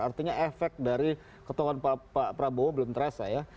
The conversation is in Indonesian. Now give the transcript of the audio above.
artinya efek dari ketuhan pak prabowo belum terasa ya